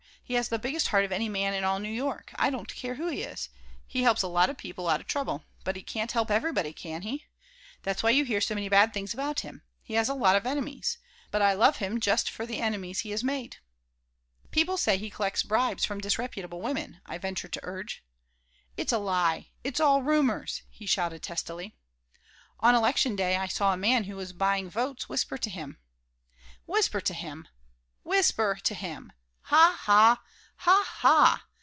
He has the biggest heart of any man in all New York, I don't care who he is. He helps a lot of people out of trouble, but he can't help everybody, can he? That's why you hear so many bad things about him. He has a lot of enemies. But I love him just for the enemies he has made." "People say he collects bribes from disreputable women," I ventured to urge. "It's a lie. It's all rumors," he shouted, testily "On Election Day I saw a man who was buying votes whisper to him." "Whisper to him! Whisper to him! Ha ha, ha ha!